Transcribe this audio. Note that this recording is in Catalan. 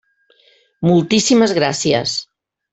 Moltíssimes gràcies.